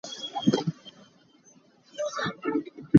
Sibawi a si lo.